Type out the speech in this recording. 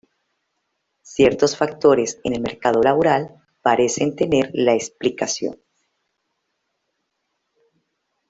Ciertos factores en el mercado laboral parecen tener la explicación.